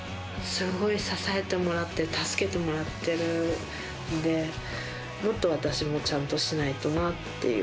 すごい支えてもらって、助けてもらってるんで、もっと私もちゃんとしないとなっていう。